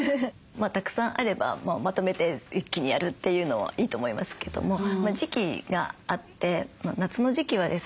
たくさんあればまとめて一気にやるというのはいいと思いますけども時期があって夏の時期はですね